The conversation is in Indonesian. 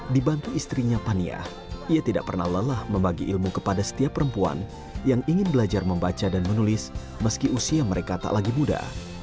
dibantu istrinya paniah ia tidak pernah lelah membagi ilmu kepada setiap perempuan yang ingin belajar membaca dan menulis meski usia mereka tak lagi muda